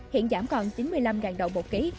hiện giảm còn chín mươi năm đồng một ký